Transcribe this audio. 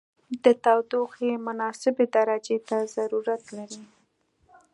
د تودوخې مناسبې درجې ته ضرورت لري.